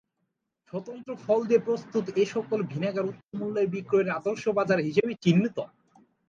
স্বতন্ত্র ফল দিয়ে প্রস্তুত এ সকল ভিনেগার উচ্চ মূল্যে বিক্রয়ের আদর্শ বাজার হিসেবে চিহ্নিত।